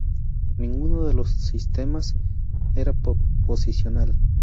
Ninguno de los dos sistemas era posicional.